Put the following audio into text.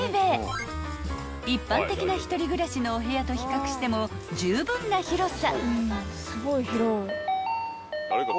［一般的な１人暮らしのお部屋と比較してもじゅうぶんな広さ］